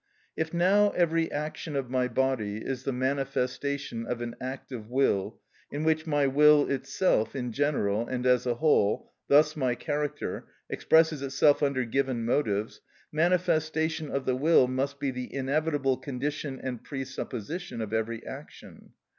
If now every action of my body is the manifestation of an act of will in which my will itself in general, and as a whole, thus my character, expresses itself under given motives, manifestation of the will must be the inevitable condition and presupposition of every action.